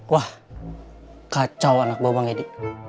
wah kacau anak buah bang edi